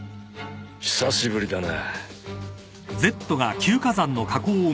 久しぶりだな。